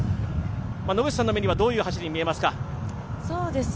野口さんの目にはどういう走りに見えますか？